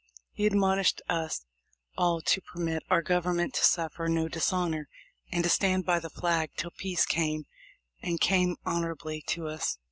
He admonished us all to permit our Government to suffer no dishonor, and to stand by the flag till peace came and came honorably to us.